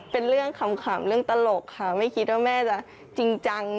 เป็นเรื่องขำเรื่องตลกค่ะไม่คิดว่าแม่จะจริงจัง